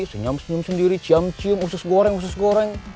senyum senyum sendiri ciam cium usus goreng usus goreng